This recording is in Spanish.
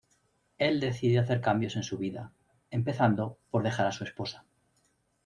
Él decide hacer cambios en su vida, empezando por dejar a su esposa.